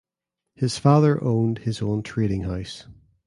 His father owned his own trading house.